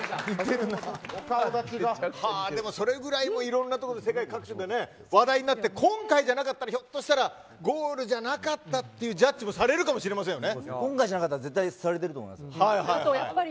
でもそれぐらいいろんなところで話題になって今回じゃなかったらひょっとしたらゴールじゃなかったというジャッジもされるかも絶対されてると思います。